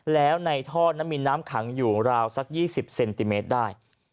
แล้วในท่อนั้นมีน้ำขังอยู่ราวสัก๒๐เซนติเมตรได้